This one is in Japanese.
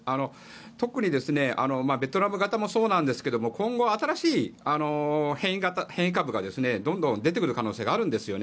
特にベトナム型もそうなんですけど今後、新しい変異株がどんどん出てくる可能性があるんですよね。